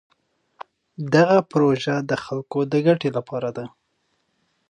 دغه پروژه د خلکو د ګټې لپاره ده.